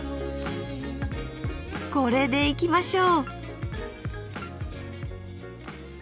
これでいきましょう！